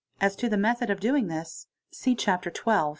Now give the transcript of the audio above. As to the method of doing this (see Chapter X 14.